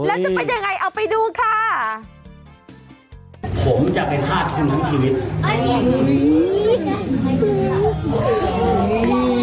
แล้วจะเป็นยังไงเอาไปดูค่ะผมจะเป็นภาพทั้งหมดชีวิต